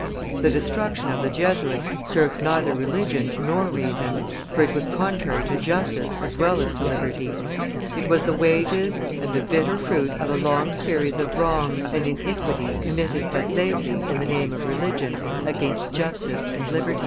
The destruction of the Jesuits served neither religion nor reason, for it was contrary to justice as well as to liberty; it was the wages and the bitter fruit of a long series of wrongs and iniquities committed but lately, in the name of religion, against justice and liberty.